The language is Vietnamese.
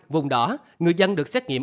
vùng đỏ người dân được xét nghiệm